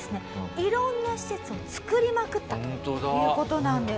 いろんな施設をつくりまくったという事なんです。